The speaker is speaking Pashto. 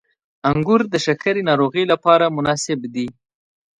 • انګور د شکرې ناروغۍ لپاره مناسب دي.